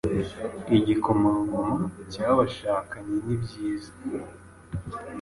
Igikomangoma cyabashakanye Nibyiza